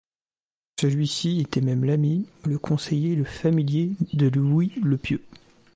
Celui-ci était même l’ami, le conseiller et le familier de Louis le Pieux.